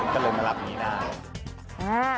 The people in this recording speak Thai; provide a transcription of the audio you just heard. ก็เลยมากลับนี้นะ